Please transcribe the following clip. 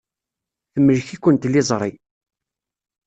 Temlek-iken tliẓri.